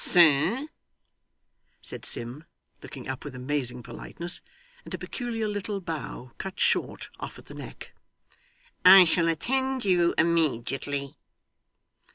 'Sir,' said Sim, looking up with amazing politeness, and a peculiar little bow cut short off at the neck, 'I shall attend you immediately.